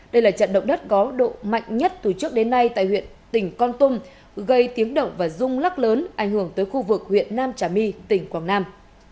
đây là trận động đất có độ mạnh nhất từ trước đến nay tại huyện tỉnh con tum gây tiếng động và rung lắc lớn ảnh hưởng tới khu vực huyện nam trà my tỉnh quảng nam